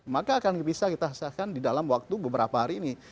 maka akan bisa kita sahkan di dalam waktu beberapa hari ini